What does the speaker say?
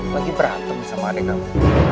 lagi berantem sama adik kamu